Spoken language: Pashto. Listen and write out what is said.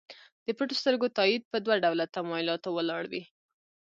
د پټو سترګو تایید په دوه ډوله تمایلاتو ولاړ وي.